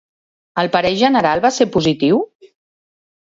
El parer general va ser positiu?